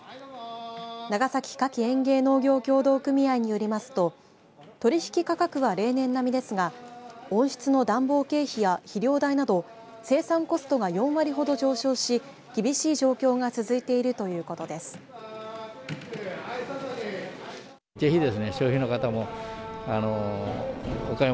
長崎花き園芸農業協同組合によりますと取引価格は例年並みですが温室の暖房経費や肥料代など生産コストが４割ほど上昇し厳しい状況が続いているということです。